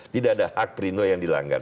tidak ada hak perindo yang dilanggar